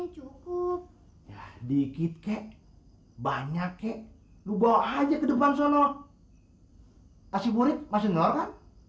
cukup dikit kek banyak kek lu bawa aja ke depan sono hai kasih buruk masih ngelor kan